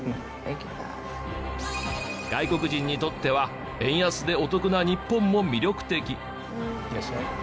外国人にとっては円安でお得な日本も魅力的。